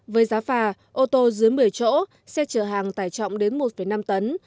với giá phà ô tô dưới một mươi chỗ xe chở hàng tải trọng đến một năm tấn